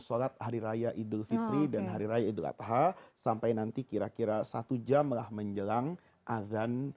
sholat hari raya idul fitri dan hari raya idul adha sampai nanti kira kira satu jam lah menjelang azan